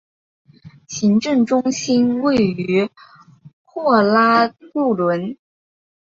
行政中心位于霍拉布伦。